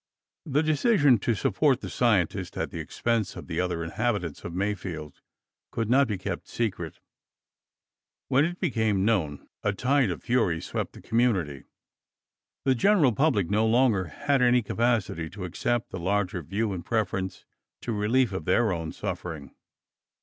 The decision to support the scientists at the expense of the other inhabitants of Mayfield could not be kept secret. When it became known, a tide of fury swept the community. The general public no longer had any capacity to accept the larger view in preference to relief of their own suffering.